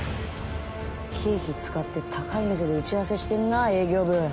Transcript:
経費使って高い店で打ち合わせしてんな営業部。